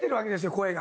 声が。